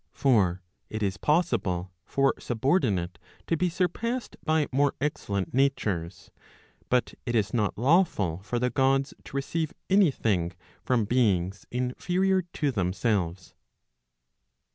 For it is possible for subordinate to be surpassed by more excellent natures; but it is not lawful for the Gods to receive any thing from beings inferior to themselves.